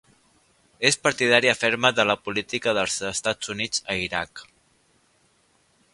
És partidària ferma de la política dels Estats Units a Iraq.